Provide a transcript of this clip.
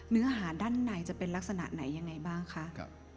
เนื้อหาด้านในจะเป็นลักษณะไหนยังไงบ้างคะ